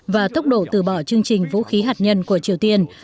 và tốc độ từ bỏ chương trình vũ khí hạt nhân của triều tiên